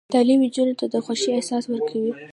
تعلیم نجونو ته د خوښۍ احساس ورکوي.